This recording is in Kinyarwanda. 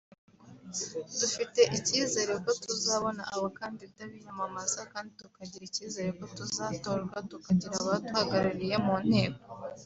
dufite icyizere ko tuzabona abakandida biyamamaza kandi tukagira icyizere ko tuzatorwa tukagira abaduhagarariye mu nteko